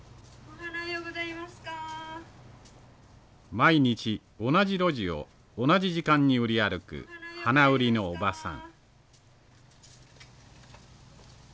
毎日同じ路地を同じ時間に売り歩く花売りのおばさん。